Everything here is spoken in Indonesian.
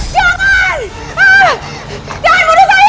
jangan bunuh saya